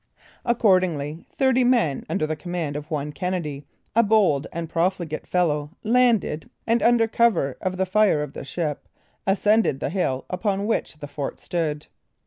Accordingly, thirty men, under the command of one Kennedy, a bold and profligate fellow, landed, and under cover of the fire of the ship, ascended the hill upon which the fort stood.